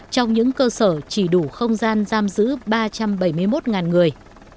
trong những cơ sở chỉ đủ không gian giam giữ ba trăm bảy mươi một người